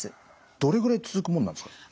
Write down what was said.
どれぐらい続くものなんですか？